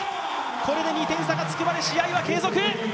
これで２点差がつくまで試合は継続。